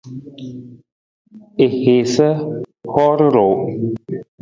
I haasa huur ruu.